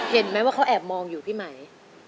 เห็นไหมว่าเขาแอบมองอยู่พี่ไหม